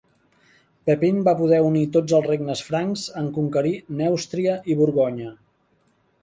Pepin va poder unir tots els regnes francs en conquerir Neustria i Borgonya.